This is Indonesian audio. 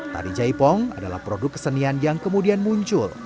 tari jaipong adalah produk kesenian yang kemudian muncul